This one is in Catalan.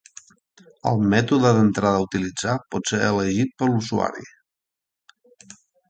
El mètode d'entrada a utilitzar pot ser elegit per l'usuari.